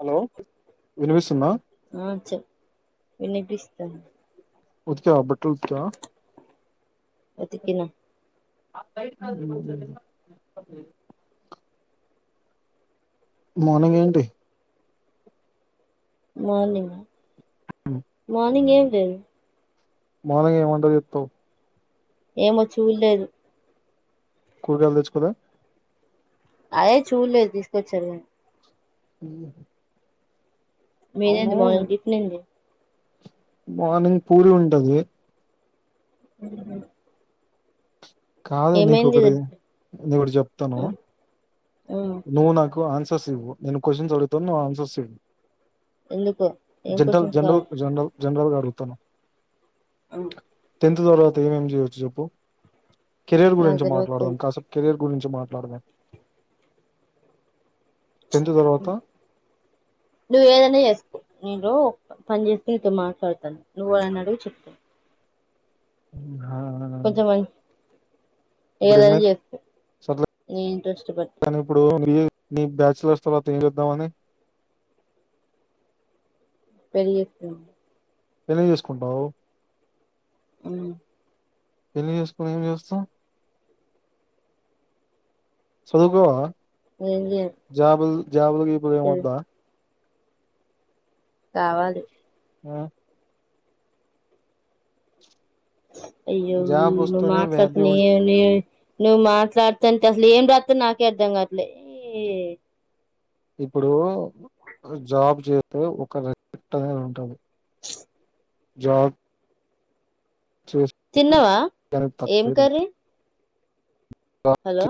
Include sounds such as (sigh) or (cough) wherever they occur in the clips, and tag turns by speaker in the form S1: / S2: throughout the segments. S1: Hello వినిపిస్తుందా
S2: అ
S1: ఉతికావ బట్టల్ ఉతికావ
S2: ఉతికినా
S1: (unintelligible) మార్నింగ్ ఏంటి
S2: మార్నింగా మార్నింగే హ
S1: మావైఆ ఏం వంట చెత్తావ్
S2: ఏమో చూల్లేదు
S1: కూరగాయల్ తెచ్చుకోలా
S2: అయే చూడలేదు తీసుకొచ్చారు
S1: ఉ
S2: మీదేంది మార్నింగ్ టిఫిన్ ఏంది
S1: మార్నింగ్ పూరి ఉంటది
S2: ఉ
S1: కాదు నీకు ఒకటి నీ ఒకటి చెప్తాను
S2: ఆ ఆ
S1: నువ్వు నాకు ఆన్స ఇవ్ నే క్వశ్చన్స్ అడిత ఆన్సర్స్ ఇవవు
S2: ఎందుకు ఏం
S1: జనరల్
S2: క్వశ్చన్స్
S1: జనరల్
S2: కావాలి
S1: జనరల్ జనరల్గా అడుగుతాను
S2: ఆ
S1: త ఇ తేమం చచ్చ చెప్ప కెరీర్
S2: నాకు
S1: గురించి మాట్లాడదాం
S2: తెలవట్లేదు
S1: కాసపు కెరీర్ గురించి మాట్లాడదం
S2: నువ్వ ఏదన్నా చేసుకో నరు పని చేేసి నీతో మాట్లాడతాను నువ్వు అన్నాడువి చెప్
S1: అ ఆా
S2: ఏదనా చేస్త నే ఇంట ఇష్టపడి
S1: బిఏ ని బ్యాచలర్స్ త తియగిేద్దామని
S2: పెరి
S1: ఎలిం చేసుకుంటావు
S2: అ
S1: ఎన్ని చేసుకుని ఏం చేస్తా చదువుకోవా
S2: ఏ్య
S1: జబలుకిప్పులే ఉా
S2: కావాలి
S1: ఆ
S2: అయ్యో
S1: జాబ్
S2: ను
S1: వస్తేనే వాల్యూ
S2: మాట్లాతునే
S1: ఉంటుంది
S2: నీ నువ్వు మాట్లాడుత అంటే అసలు ఏం రాస్త నాకే అర్ధం కాట్లే ఎ
S1: ఇప్పుడు జాబ్ చేస్తే ఒక రెస్పెక్ట్ అనేది ఉంటది
S2: (inaudible)
S1: జాబ్ చేస్తే
S2: తిన్నావా
S1: దానికి
S2: ఏం
S1: తక్కువ ఉంటుంది.
S2: కర్రీ హలో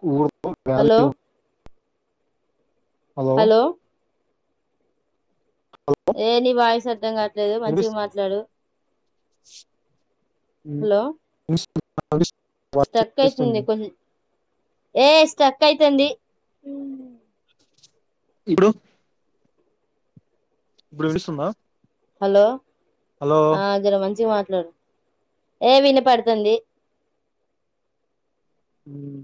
S1: కువ ఒక
S2: హలో
S1: వాల్యూ
S2: హలో
S1: హలో
S2: ఏ ని వాయిస్ అర్ధం కా లేదో మంచిగా
S1: వినిపిస్తు-
S2: మాట్లాడు
S1: (inaudible) (inaudible) వాయిస్
S2: స్ట్రక్ అయ్యింది
S1: వినిపిస్తుంది
S2: కోన్ ఏ స్ట్రక్ అయితంది
S1: ఇప్పుడు ఇప్పుడు వినిపిస్తుందా
S2: హలో
S1: హలో
S2: ఆ జర మంచిగా ఏ వినపడుతుంది
S1: ఉమ్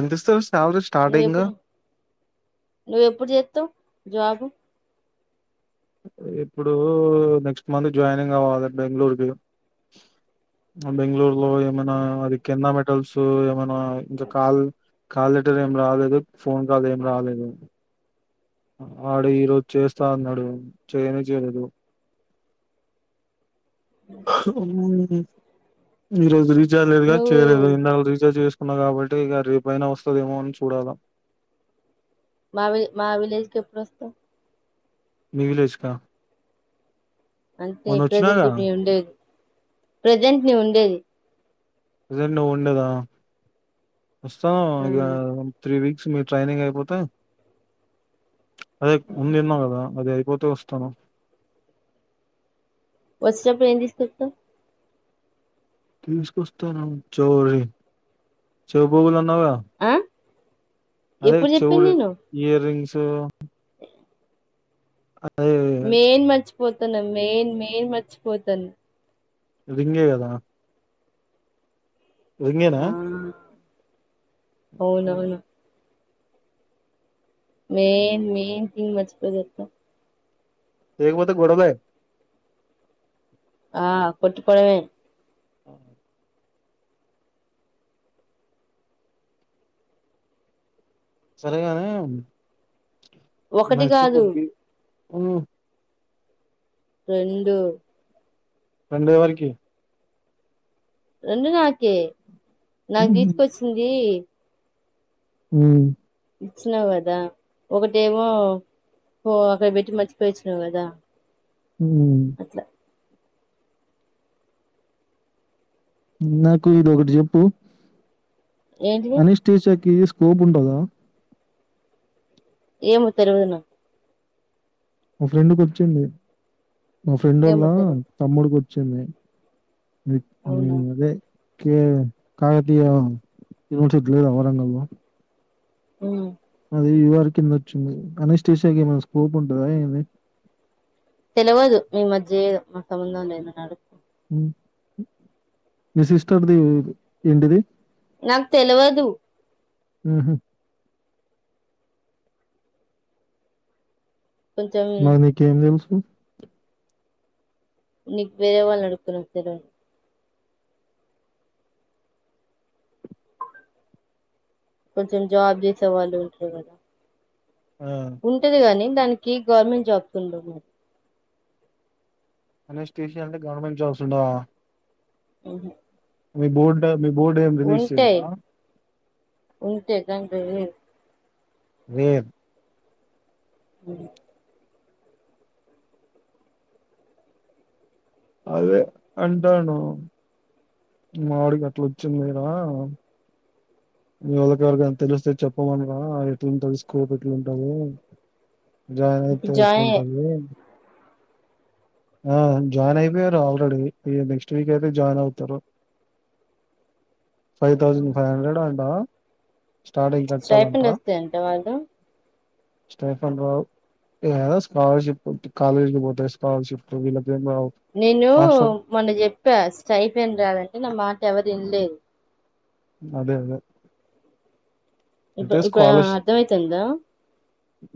S1: ఎంత ఇస్తారు యావరేజ్ స్టార్టింగ్
S2: ను ఎప్పుడు చేతవ్ జాబ్
S1: ఇప్పుడు నెక్స్ట్ మంత్ జాయినింగ్ అవ్వాలి బెంగళూరుకిి బెంగళూరు ఏమనా అది హోటల్స్ ఏమైనా ఇంకా కాల్ కాల్ లెటర్ ఏం రాలేదు ఫోన్ కాల్ ఏం రాలేదు ఆడ ఈ రోజు చేస్తా అన్నాడు చేయనే చేయలేదు. మ్మ్ (unintelligible) (unintelligible)
S2: నువ్వు
S1: చేయలేదు ఇందాక రీజార్ చే ఉన్నా కాబట్టి ఇక రేపుయినా వస్తుందేమో అని చూడాలా
S2: మావి మా విలేజ్ కి ఎప్పుడు వస్తావ్
S1: మీ విలేజ్ క
S2: అంతే ప్రజెంట్ ఇప్పు ఉండేది ప్రజెంట్ నే ఉండేది
S1: ప్రెసెంట్ నువ్వు ఉండేదా వస్తాను
S2: ఆ
S1: ఇక త్రీ వీక్ మీ ట్రైనింగ్ అయిపోతే అదే ముందున్నా కదా అది అయిపోతు (unintelligible)
S2: వచ్చేటపుడు ఏం తీసుకొస్తావ్
S1: తీసుకొస్తాను చోరి (unintelligible) అ
S2: ఆ
S1: అదే
S2: ఎప్పుడు చెప్పాను
S1: చెవులు
S2: నేను
S1: ఇయర్ రింగ్స్ (unintelligible) అదే
S2: మైన మంచ్ పోతాను మెయిన్ మెయిన్ మర్చిపోతాను
S1: రింగే కదా రింగేనా
S2: అవును అవును మెయిన్ మెయిన్ సీన్ నీ మర్చిపోతే ఎట్లా
S1: చేయకపోతే గొడవే
S2: ఆ కొట్టుకోవడమే
S1: సరేగాని
S2: ఒకటి
S1: మార్చి
S2: కాదు
S1: బొబ్బి హ్మ్
S2: రెండు
S1: రెండేవరేకి
S2: రెండు నాకే నా
S1: ఉమ్
S2: గీతకొచ్చింది
S1: హమ్
S2: ఇచ్చినావు కదా ఒకటేమో ఓ అక్కడ పెట్టి మర్చిపోయి ఇచ్చినావు కదా
S1: హ్మ్
S2: అట్లా
S1: నాకు ఈడొకటి జేప్పు
S2: ఏంటిది
S1: అనిష్టిచ్కి సోప్ ఉంటది కదా
S2: ఏమో తరుగుదున్నా
S1: మా ఫ్రెండ్ కూచిడి మా ఫ్రెండ్
S2: ఏమో
S1: ఓల్లా
S2: తెలవదు
S1: తమ్ముడు కు చ్చమే ఐ ఏ ఏ
S2: అవునా
S1: అదే కే కాకతీయ యూనివర్సిటీ లేదా వరంగల్ ఆ
S2: ఊ
S1: అది ఇ వారి కింద వచ్చింది కనిస్టేయాకి ఏమైనా స్కోప్ ఉంటందా ఏమీ
S2: తెలువదు మీ మధ్య ఏ మా సంబంధం లే ఏద నడు
S1: మీ సిస్టర్ది ఏంటిది
S2: నాకు తెలువదు
S1: ఉహు
S2: కొంచెం
S1: మరి నీకెము తెల్సు
S2: నీకు వేరే వాళ్ళ అడుగుతారు అని తెలువదా కొంచెం జాబ్ చేసే వాళ్ళు ఉంటారు కదా
S1: ఆ!
S2: ఉంటది గాని దానికి గవర్నమెంట్ జాబ్స్ ఉండు మరి
S1: అనే స్టేషన్ అంటే గవర్నమెంట్ జాబ్స్ ఉండావ
S2: ఆహ
S1: మీ బోర్డ్ మీ బోర్డు ఏం రిలీజ్ చేయదా
S2: ఉంటే తండ్రి లెడ్
S1: నీర్
S2: (inaudible)
S1: అదే అంటాను మా ఆవిడికి అట్లా వచ్చింది రా మీ వాళ్ళకి ఏవరికి అయిన తెలిస్తే చెప్పమనరా ఎట్లుంటది స్కోప్ ఎట్లుంటది జాయిన్ అయితే
S2: జాయిన్
S1: ఎట్లుంటది ఆ జాయిన్ అయిపోయారు ఆల్రెడీ ఈ నెక్ట్స్ వీక్ అయితే జాయిన్ అవుతారు ఫైవ్ థౌజండ్ ఫైవ్ హండ్రెడ్ అంటావ
S2: స్టైఫిన్ ఒస్తాయి అంట వాళ్లు
S1: స్టైఫన్ రావు ఏ స్కాలర్షిప్ కాలేజ్ కి పోతే స్కాలర్షిప్ త్ వీళ్ళక్
S2: నేను మొన్న చెప్పా స్టైఫెన్ రాదంటే నా మాట్ ఎవరిన్లే
S1: అదే అదే
S2: ఇప్పుడు
S1: అయితే
S2: ఇప్పుడు
S1: స్కాలర్షిప్
S2: అర్థమైతుందా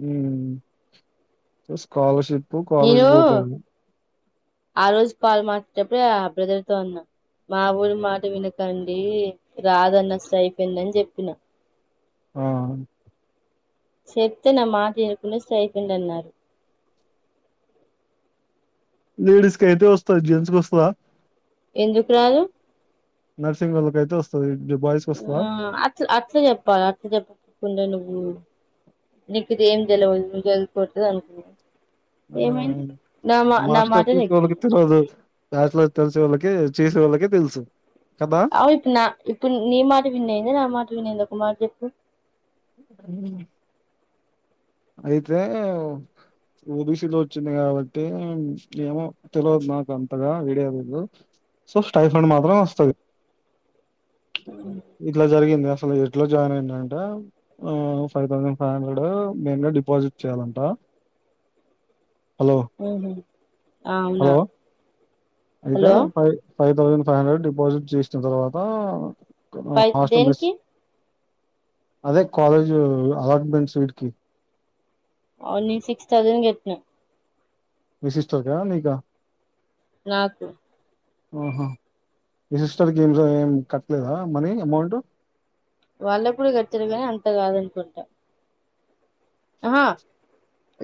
S1: ఉమ్ స్కాలర్షిప్ కు కాలేజ్
S2: నేను
S1: పోతాడు
S2: ఆ రోజు పాలు మన్పీచేటప్పుడే ఆ బ్రదర్ తో అన్నా మా ఊరి మాట వినకండి రాదన్న సైపందని చెప్పిన
S1: ఆ
S2: చెప్తే నా మాట వినుకునే స్టైపెండన్నారు
S1: లేడీస్ కయితే వస్తది జెంట్స్ కొస్తదా
S2: ఎందుకురాదు
S1: నర్సింగ్ వాల్లకయితే వస్
S2: ఆ అట్ అట్లా చెప్పాలి అట్లా చెప్పకుండా నువ్వు నీకు ఇదేం తెలవదు నువ్ చదుకోట్లే అనుకున్
S1: ఆ
S2: మాట
S1: మాస్టర్స్ తీసుకోళ్ళ
S2: నెగ్గింది
S1: కిత్తే రదు బ్యాచలర్ తెలిసినోళ్ళకి చేసే వాళ్ళకే తెలుసు కదా
S2: అవును ఇప్పుడు నా ఇప్పుడు నీ మాట విన్నయింద నా మాట విన్నయింద ఒక మాట చెప్ ఉ
S1: (unintelligible) అయితే ఓబీసీలో వచ్చింది కాబట్టి ఏమో తెలవదు నాకు అంతగా వీడియో లేదు సో స్టైఫండ్ మాత్రం వస్తది ఇట్లా జరిగింది అస్ లు ఎట్ల జాయిన్ అయిన అంటే ఫైవ్ థౌజండ్ ఫైవ్ హండ్రెడ్ మెయిన్గా డిపాజిట్ చేయాలంటా
S2: ఆహ అవునా
S1: హలో అయితే
S2: హలో
S1: పై five thousand five hundred deposit చేసిన తర్వాత
S2: ఫై
S1: హాస్టల్ మేస్
S2: దేనికి
S1: అదే కాలేజ్ అలాట్మెంట్స్ వీటికి
S2: ఓలీ సిక్స్ థౌజండ్ చేపిన
S1: మీ సిస్టర్ క నీకా
S2: నాకు
S1: అహ మీ సిస్టర్కి ఏమి ఏం కట్టలేదా మనీ అమౌంటు
S2: వాళ్ళ కూడా కట్టిరుగా కానీ అంత కాదనుకుంటా ఆహా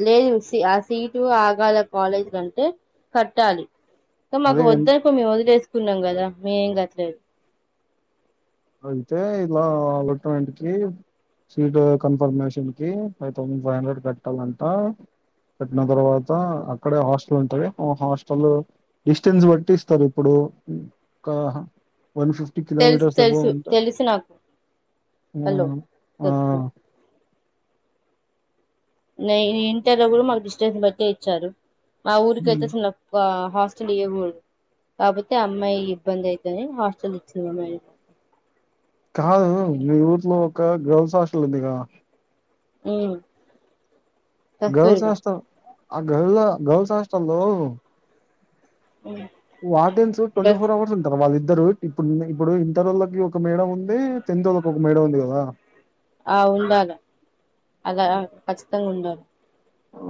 S2: లేదు ఆ సీటు ఆగాల కాలేజీ కంటే కట్టాలి మాకు
S1: అదే ఎంత
S2: వద్దనుకో మేము వదిలేస్ అనుకున్నాం కదా మీ ఏం గట్లేదు
S1: అయితే ఇలా అలట్మెంట్కి, సీట్ కన్ఫర్మేషన్ కి, ఫైవ్ థౌసండ్ ఫైవ్ హండ్రెడ్ కట్టాలంట, కట్టిన తర్వాత అక్కడే హాస్టల్ ఉంటుంది, హాస్టల్ డిస్టెన్స్ బట్టి ఇస్తారు ఇప్పుడు ఒ క వన్ ఫిఫ్టీ
S2: తెలుసు
S1: కిలోమీటర్స్
S2: తెలుసు తెలుసు నాకు
S1: ఆ
S2: హలో
S1: ఆ
S2: (unintelligible) న ఇంటర్లో కూడా మాకు డిస్టెన్స్ బట్టే ఇచ్చారు మా ఊరుకి
S1: ఉమ్,
S2: అయితే సన్నప్ప హాస్టల్ ఇవ్యకూడదు, కాకపోతే అమ్మాయి ఇబ్బంది అయితేని హాస్టల్ ఇచ్చింది అమ్మాయి
S1: కాదు మీ ఊట్లో ఒక గల్స్ హస్ల్ ఉందికదా
S2: మ్
S1: గల్స్ హాస్టల్ ఆ గల్ గల్స్ హస్టల్ లో వాటేన్స్ ట్వంటి
S2: గర్ల్స్
S1: ఫోర్వర్స్ ఉంటారు వాళ్ ఇద్దరు ఇప్పుడు ఇప్పుడు ఇంటర్ వాళ్ళకి ఒక మేడమ్ ఉంది, టెన్త్ వాళ్ళకి ఒక మేడమ్ ఉంది కదా
S2: ఆ ఉండాలి అలా ఖచ్చితంగా ఉండాలి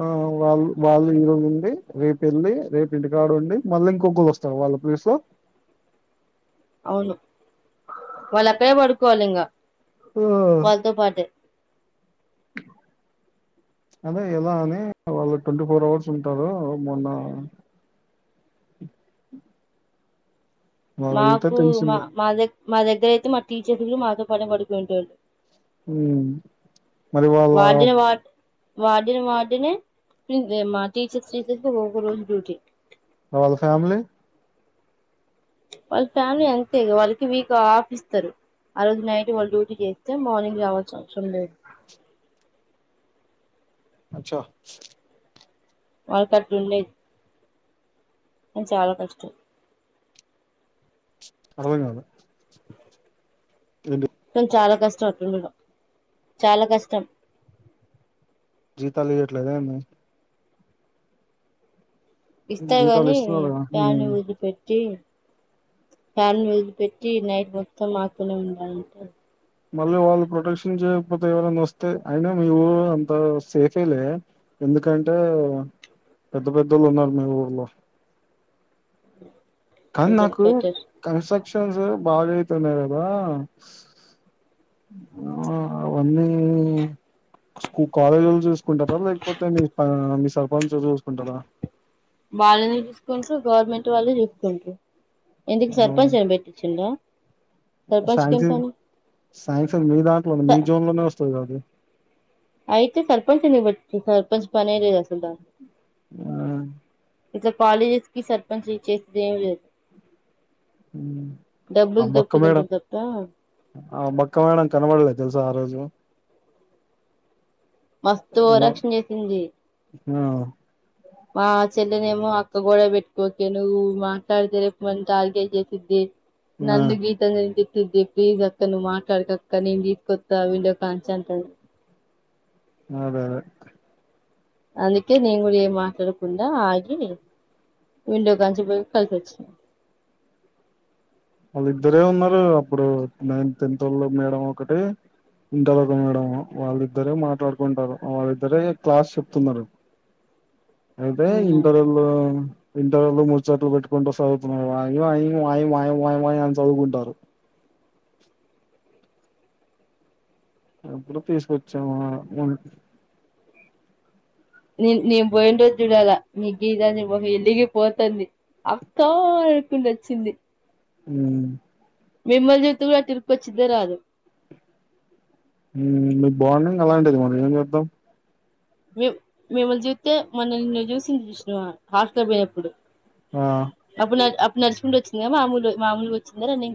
S1: ఆ వాళ్ళు వాళ్ళు ఈరోజు ఉండి, రేపు వెళ్ళి రేపు ఇంటికాడు ఉండి, మళ్ళీ ఇంకొకళ్రు వస్తార వాళ్ళ ప్లేస్ లో
S2: అవును వాళ్ళు అక్కడే పడుకోవాలి ఇంకా
S1: ఆ
S2: వాళ్ళతో పాటే
S1: అదే ఎలా అని వాళ్ళు ట్వంటీ ఫోర్ అవర్స్ ఉంటారు మొన్న వెళ్తే
S2: మాకు మా
S1: తెలిసింది
S2: మా దగ్ మా దగ్గర అయితే మా టీచర్లు మాతో పడ పడికు ఉంటరు
S1: మ్ మరి వాళ
S2: వార్డన్ వాార్డనే మా టీచర్స్ టీచస్ ఒక్క రోజు డుటీ
S1: వాళ్ళ ఫ్యామిలీ
S2: వాళ్ళ ఫ్యామిలీ అంతే వాళ్ళకి వీక్ ఆఫీ ఇస్తారు, ఆ రోజు నైట్ వాళ్ళు డ్యూటీ చేస్తే మార్నింగ్ రావాల్సిన అవసరం లేదు.
S1: అచ్చా
S2: వాళ్ళ కట్ ఉన్నా అ చాలా కష్టం
S1: అవునా అ
S2: తం చాలా కస్తా చాలా కష్టం
S1: చలి ఎట్లేద
S2: ఇస్తాయి
S1: జీతాలు
S2: గాని
S1: ఇస్తున్నారుగా
S2: పాని
S1: ఉమ్
S2: జ పెట్టి ఫ్యాన్ వెలి పెెట్టి నైట్ మొత్తం ఆతూనే ఉండాలంట
S1: మళ్ళీ వాళ్ళు ప్రొటెక్షన్ చేయకపోతే ఎవరనా వస్తే అయినా మీ ఊరు అంత సేఫేలే ఎందుకంటే పెద్ద పెద్దోళ్ళు ఉన్నారు మీ ఊర్లో కనీ
S2: కొంచెం
S1: నాకు
S2: బెటర్
S1: కస బాగాయితున్నాయి కదా అవన్నీూ కాలేజీ చూ కొంత త్వరగా ఎక్కిపోతాయి అని పానిసలు పనస చూస్కుంటారా
S2: వాళ్ళని చూసుకుంటారు గవర్నమెంట్ వాళ్ళు చూసుకుంటారు ఎందుకు సర్పంచ్ ఏమి పెట్టిచ్చిండు
S1: సాన్క్షంగ్ సాన్క్షంగ్ మీ దాంట్లోనే మీ జాన్లోకే వస్తది అది
S2: అయితే సర్పంచ్ నీ బట్టి సర్పంచ్ మనర అస్త అందా
S1: ఆ
S2: ఇట్ల కాలేజెస్ కి సర్పంచ్ ఇచ్చేకి ఏం లేదు
S1: హ్మ్ ఆ
S2: డబ్బలు
S1: బక్క
S2: దొప్పి తంటాం
S1: మేడం
S2: తప్పా
S1: ఆ మక్క మేడం కనబడలే తెలుసా ఆ రోజు
S2: మస్తు
S1: ఏమో
S2: ఓవరాక్షన్ చేసింది
S1: ఆ
S2: మా చెల్లెనేమో అక్క కూడా పెట్టుకోక నువ్వు మాట్లాడితే రేపు మన్ టార్గెట్ చేసిద్ది
S1: ఆ
S2: నందు గీత అంద నింత ది ప్లీస్ అక్క నువ్వు మాట్లాడక అక్క నేను తీస్కొనివస్థ వీడియో కాన్స్ అంటాడు
S1: అదే అదే
S2: అందుకే నేను కూడా ఏ మాట్లాడకుండా ఆగి విండో కంచిపో కలిసి వచ్చినాను
S1: వాళ్ళిద్దరే ఉన్నారు అప్పుడు నైన్ టెన్త్ మేడం ఒకటి ఇంటర్ ఒక మేడం వాళ్ళిద్దరే మాట్లాడుకుంటారు వాళ్ళిద్దరే క్లాస్ చెప్తున్నారు అయితే
S2: అవునా
S1: ఇంటర్లో ఇంటర్లు ముడిచ్చోట్లు పెట్టుకుంటూ చదువుతున్నారు వాయ్ వాయ్ అని చదువుకుంటారు అప్పుడు తీసుకొచ్చాము
S2: నే నేను పోయిన రోజు చూడాలా న గీద నను వెళ్లిగి పోతుంది అక్క అనుకుంటొచ్చింది
S1: హ
S2: మిమ్మల్ జతు కూడా తరుపు వచ్చిద రాదు
S1: హమ్ బాండింగ్ అలాంటిది మనం ఏమ్ చెత్తా
S2: మిం మిమ్మల్ని చూస్తే మనల్ని నిన్ను చూసి హాట్లో పోయినప్పుడు
S1: ఆ
S2: అప్పునా నర్సికుంటొచ్చిందా మామలు మామలు వచ్చిందా